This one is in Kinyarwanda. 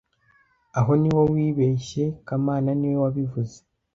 Aho niho wibeshye kamana niwe wabivuze